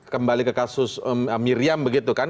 kembali ke kasus miriam begitu kan